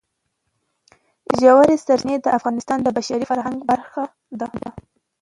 ژورې سرچینې د افغانستان د بشري فرهنګ برخه ده.